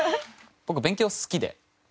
僕勉強好きで。